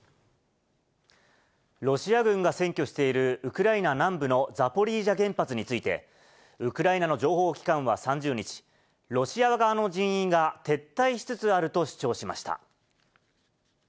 ロシア軍が占拠している、ウクライナ南部のザポリージャ原発について、ウクライナの情報機関は３０日、ロシア側の人員が撤退しつつあると主張しました。